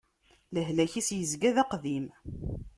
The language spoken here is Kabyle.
Lehlak-is yezga d aqdim.